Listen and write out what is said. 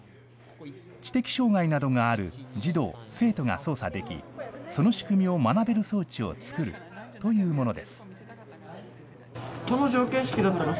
知的障害などがある児童・生徒が操作でき、その仕組みを学べる装置を作るというものです。